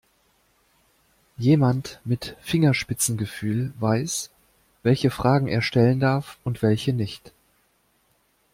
Jemand mit Fingerspitzengefühl weiß, welche Fragen er stellen darf und welche nicht.